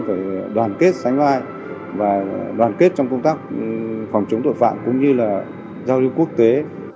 chúng tôi phải đoàn kết sánh vai và đoàn kết trong công tác phòng chống tội phạm cũng như là giao điểm quốc tế